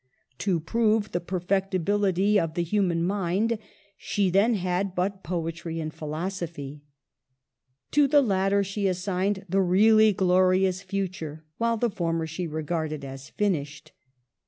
To prove the perfectibility of the human mind, she then had but poetry and philosophy. To the latter she assigned the really glorious future, while the former she regarded as finished.